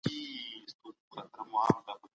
د خصوصي سکتور د ودې لپاره باید بازار موجود وي.